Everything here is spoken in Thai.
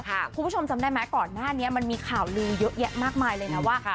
คุณผู้ชมจำได้ไหมก่อนหน้านี้มันมีข่าวลือเยอะแยะมากมายเลยนะว่า